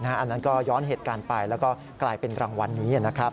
อันนั้นก็ย้อนเหตุการณ์ไปแล้วก็กลายเป็นรางวัลนี้นะครับ